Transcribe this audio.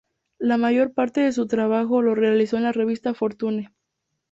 La mayor parte de su trabajo lo realizó en la revista "Fortune.